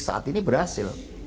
saat ini berhasil